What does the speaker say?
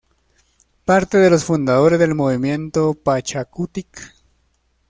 Parte de los fundadores del movimiento Pachakutik.